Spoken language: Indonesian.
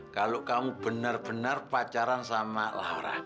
kalau kamu bener bener pacaran sama laura